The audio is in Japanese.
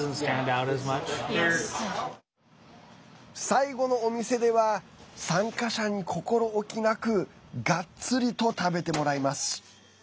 最後のお店では参加者に心おきなくがっつりと食べてもらいます。